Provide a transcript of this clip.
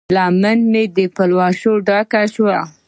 لمن مې د پلوشو ډکه شوه